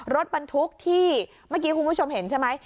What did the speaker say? รถบรรทุกที่เมื่อกี้คุณผู้ชมเห็นใช่ไหม